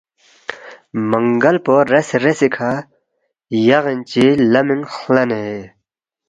منگل پو ریس ریسی کھا یغین چی لمینگ خلانے